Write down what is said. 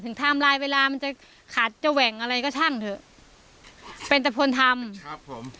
ไทม์ไลน์เวลามันจะขาดจะแหว่งอะไรก็ช่างเถอะเป็นแต่คนทำครับผม